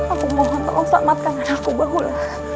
aku mohon tolong selamatkan anakku baulah